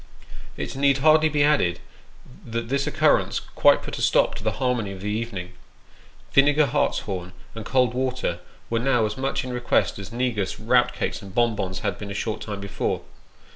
It need hardly be added, that this occurrence quite put a stop to the harmony of the evening. Vinegar, hartshorn, and cold water, were now as much in request as negus, rout cakes, and bon bons had been a short time before.